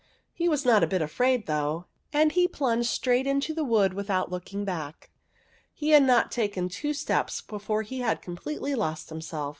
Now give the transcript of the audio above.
He was not a bit afraid, though, and he plunged straight into the wood without looking back. He had not taken two steps before he had completely lost himself.